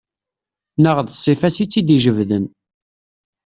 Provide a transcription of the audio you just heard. Neɣ d ssifa-s i tt-id-ijebden.